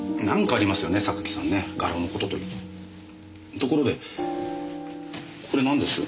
ところでこれ何です？